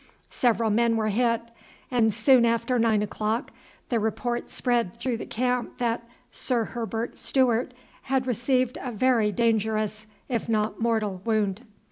Several men were hit, and soon after nine o'clock the report spread through the camp that Sir Herbert Stewart had received a very dangerous if not mortal wound.